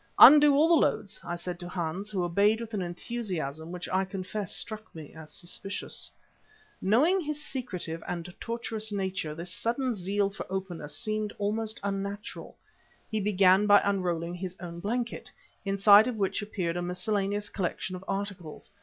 "Undo all the loads," I said to Hans, who obeyed with an enthusiasm which I confess struck me as suspicious. Knowing his secretive and tortuous nature, this sudden zeal for openness seemed almost unnatural. He began by unrolling his own blanket, inside of which appeared a miscellaneous collection of articles.